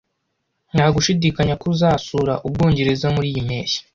Nta gushidikanya ko azasura Ubwongereza muri iyi mpeshyi.